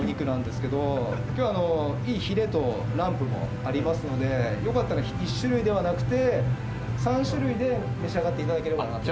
今日いいヒレとランプもありますのでよかったら１種類ではなくて３種類で召し上がっていただければなと。